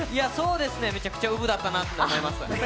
めちゃくちゃウブだったなと思います。